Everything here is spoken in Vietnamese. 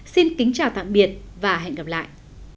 xin kính chào tạm biệt và hẹn gặp lại